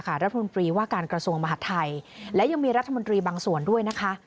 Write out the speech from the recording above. รัฐมนตรีว่าการกระทรวงมหาดไทยและยังมีรัฐมนตรีบางส่วนด้วยนะคะ